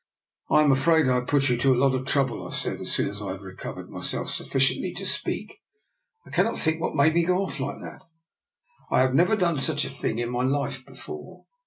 " Fm afraid I have put you to a lot of trouble," I said, as soon as I had recovered myself sufficiently to speak. " I cannot think what made me go off like that. I have never done such a thing in my life before."